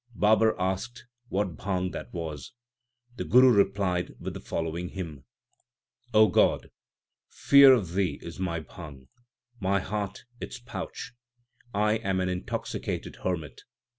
JBabar asked what bhang that was. The Guru replied with the following hymn : God, fear of Thee is my bhang, my heart its pouch ; 1 am an intoxicated hermit.